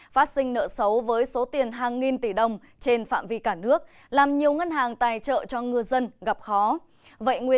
phát sinh nợ xấu